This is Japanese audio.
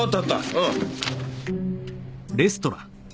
うん。